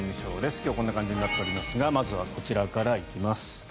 今日こんな感じになっておりますがまずはこちらから行きます。